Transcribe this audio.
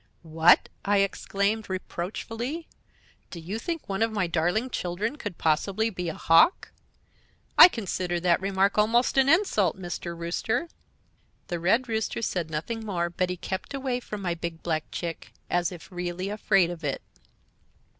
"'What!' I exclaimed, reproachfully, 'do you think one of my darling children could possibly be a Hawk? I consider that remark almost an insult, Mr. Rooster!' "The Red Rooster said nothing more; but he kept away from my big, black chick, as if really afraid of it.